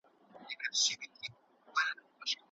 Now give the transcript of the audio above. پانګوال نظام بايد اصلاح سي.